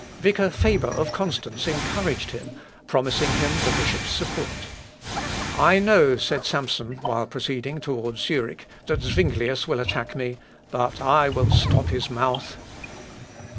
Vicar Faber of Constance encouraged him, promising him the bishop's support. "I know," said Samson, while proceeding towards Zurich, "that Zuinglius will attack me, but I will stop his mouth."